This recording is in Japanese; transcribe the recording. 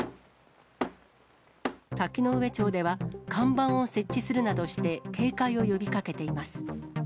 滝上町では、看板を設置するなどして、警戒を呼びかけています。